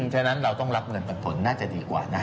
ฉะนั้นเราต้องรับเงินปันผลน่าจะดีกว่านะ